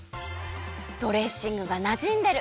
ドレッシングがなじんでる。